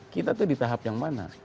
kita tuh di tahap yang mana